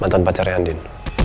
mantan pacarnya andien